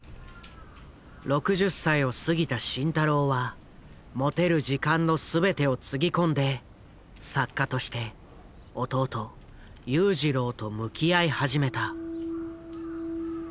６０歳を過ぎた慎太郎は持てる時間の全てをつぎ込んで作家として弟裕次郎と向き合い始めた。